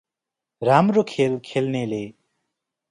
राम्रो खेल खेल्नेले ।